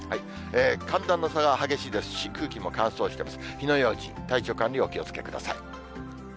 寒暖の差が激しいですし、空気も乾燥してます。